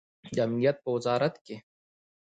د امنیت په وزارت کې